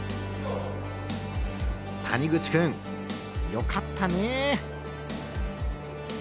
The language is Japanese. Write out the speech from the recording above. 谷口君よかったね。